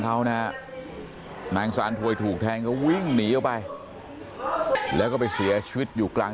เขานะนางซานถวยถูกแทงก็วิ่งหนีออกไปแล้วก็ไปเสียชีวิตอยู่กลาง